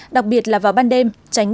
đặc biệt là vào ban đêm